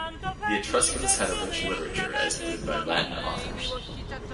The Etruscans had a rich literature, as noted by Latin authors.